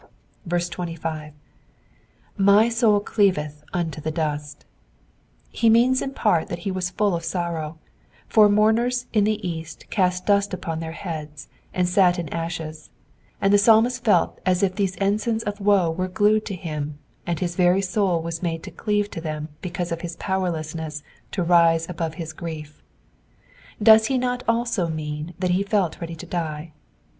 25. '*i/y 9oul cleaveth unto the dust,'*'* He means in part that he was full of sorrow ; for mourners in the east cast dust on their heads, and sat in ashes, and the Psalmist felt as if these ensigns of woe were glued to him, and his very soul was made to cleave to them because of his powerlessness to rise above his grief. Does he not also mean that he felt ready to die